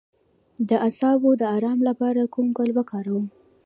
د اعصابو د ارام لپاره کوم ګل وکاروم؟